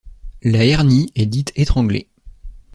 La hernie est dite étranglée.